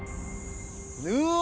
うわ。